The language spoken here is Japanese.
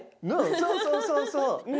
そうそうそうそう。